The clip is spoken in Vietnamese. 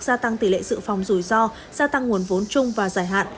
gia tăng tỷ lệ sự phòng rủi ro gia tăng nguồn vốn chung và dài hạn